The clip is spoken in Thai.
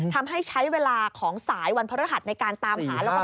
ทำให้ใช้เวลาของสายวันพระรหัสในการตามหาแล้วก็